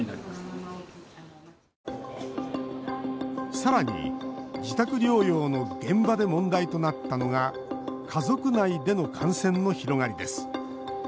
さらに自宅療養の現場で問題となったのが家族内での感染の広がりです。